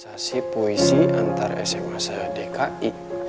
sosialisasi puisi antar sma saya dki